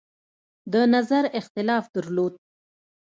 د نظر اختلاف درلود.